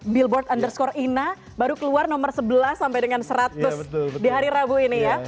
billboard underscore ina baru keluar nomor sebelas sampai dengan seratus di hari rabu ini ya